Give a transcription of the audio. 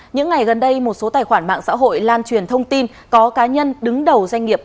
những ngày gần đây một số tài khoản mạng xã hội lan truyền thông tin có cá nhân đứng đầu doanh nghiệp